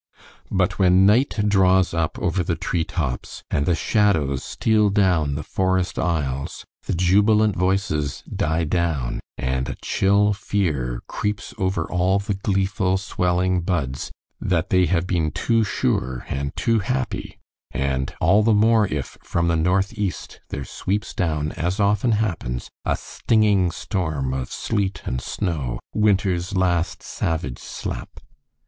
But when night draws up over the treetops, and the shadows steal down the forest aisles, the jubilant voices die down and a chill fear creeps over all the gleeful, swelling buds that they have been too sure and too happy; and all the more if, from the northeast, there sweeps down, as often happens, a stinging storm of sleet and snow, winter's last savage slap.